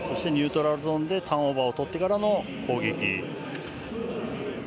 ニュートラルゾーンでターンオーバーをとってからの攻撃。